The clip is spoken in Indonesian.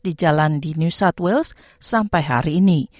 di jalan di new south wales sampai hari ini